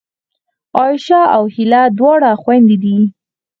عایشه او هیله دواړه خوېندې دي